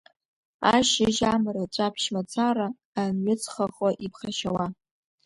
Ашьыжь, амра, ҵәаԥшь мацара, анҩыҵхахо иԥхашьауа.